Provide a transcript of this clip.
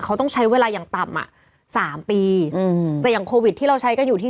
เขาต้องใช้เวลาอย่างต่ำอ่ะสามปีอืมแต่อย่างโควิดที่เราใช้กันอยู่ที่